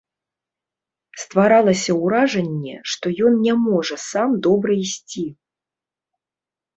Стваралася ўражанне, што ён не можа сам добра ісці.